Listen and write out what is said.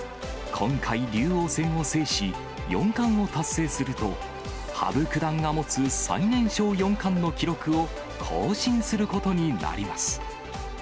今回、竜王戦を制し、四冠を達成すると、羽生九段が持つ最年少四冠の記録を更新することになります。